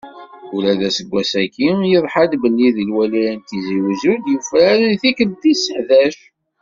Ula d aseggas-agi, yeḍḥa-d belli d lwilaya n Tizi Uzzu i d-yufraren i tikkelt tis ḥdac.